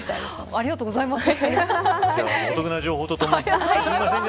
ありがとうございます。